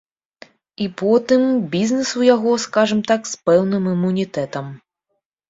І потым, бізнес у яго, скажам так, з пэўным імунітэтам.